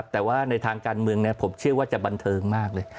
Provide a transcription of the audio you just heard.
แต่ว่าในทางการเมืองผมเชื่อว่าจะบันเทิงมากเลย